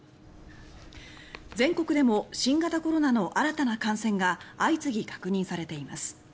全国でも新型コロナの新たな感染が相次ぎ確認されています。